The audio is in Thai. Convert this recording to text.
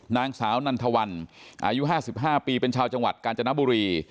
นางสาวนันทวันอายุ๕๕ปีเป็นชาวจังหวัดกาญจนบุรี